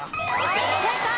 正解！